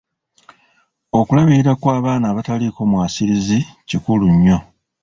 Okulabirira kw'abaana abataliiko mwasirizi kikulu nnyo.